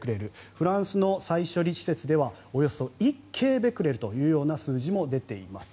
フランスの再処理施設ではおよそ１京ベクレルという数字も出ています。